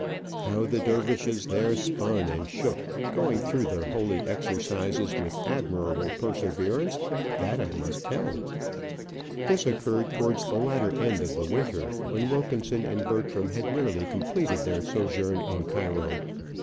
How the dervishes there spun and shook, going through their holy exercises with admirable perseverance, that I must tell. This occurred towards the latter end of the winter, when Wilkinson and Bertram had nearly completed their sojourn in Cairo.